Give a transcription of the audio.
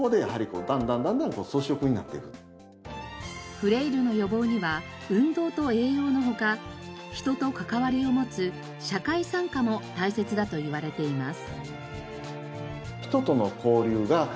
フレイルの予防には運動と栄養の他人と関わりを持つ社会参加も大切だといわれています。